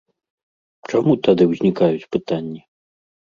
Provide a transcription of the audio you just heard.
Чаму тады ўзнікаюць пытанні?